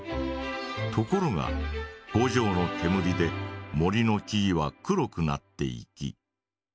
ところが工場のけむりで森の木々は黒くなっていき。